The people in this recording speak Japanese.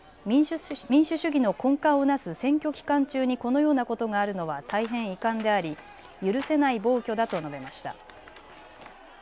民主主義の根幹をなす選挙期間中にこのようなことがあるのは大変遺憾であり許せない暴挙だと述べました。